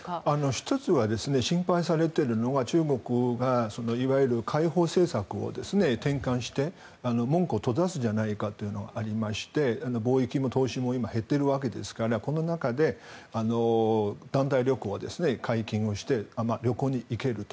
１つは心配されているのが中国がいわゆる開放政策を転換して門戸を閉ざすんじゃないかとありまして貿易も投資も今、減っているわけですからこの中で団体旅行を解禁をして旅行に行けると。